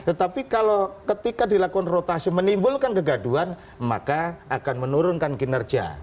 tetapi kalau ketika dilakukan rotasi menimbulkan kegaduan maka akan menurunkan kinerja